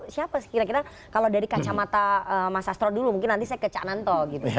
siapa kira kira kalau dari kacamata mas astro dulu mungkin nanti saya ke cananto